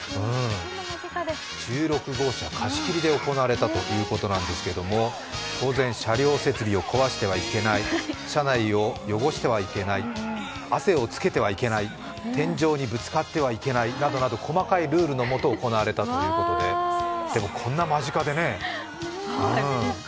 １６号車貸し切りで行われたということですが、車内を汚してはいけない、汗をつけてはいけない、天井にぶつかってはいけないなど、細かいルールのもと行われたということでこんな間近でね。